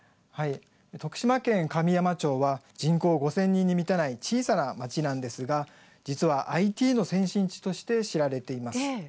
徳島県神山町は人口５０００人に満たない小さな町なんですが実はＩＴの先進地として知られています。